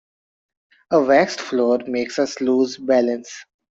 A waxed floor makes us lose balance.